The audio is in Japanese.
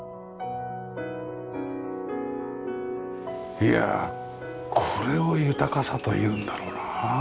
いやあこれを豊かさと言うんだろうなあ。